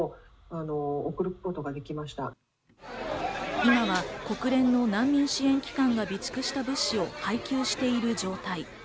今は国連の難民支援機関が備蓄した物資を配給している状態。